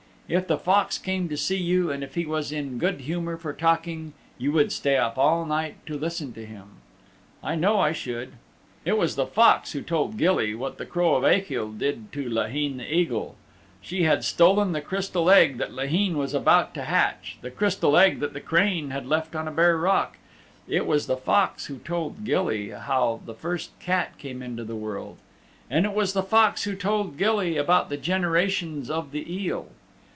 If the Fox came to see you, and if he was in good humor for talking, you would stay up all night to listen to him. I know I should. It was the Fox who told Gilly what the Crow of Achill did to Laheen the Eagle. She had stolen the Crystal Egg that Laheen was about to hatch the Crystal Egg that the Crane had left on a bare rock. It was the Fox who told Gilly how the first cat came into the world. And it was the Fox who told Gilly about the generations of the eel.